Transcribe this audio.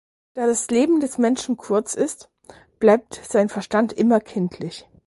Da das Leben des Menschen kurz ist, bleibt sein Verstand immer kindlich.